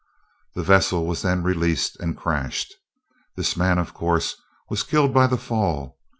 The vessel was then released, and crashed. This man, of course, was killed by the fall.